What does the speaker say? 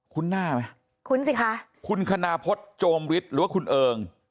หน้าไหมคุ้นสิคะคุณคณพฤษโจมฤทธิ์หรือว่าคุณเอิง